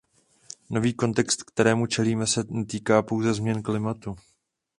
Nový kontext, kterému čelíme, se netýká pouze změn klimatu.